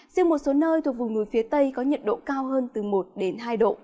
riêng một số nơi thuộc vùng núi phía tây có nhiệt độ cao hơn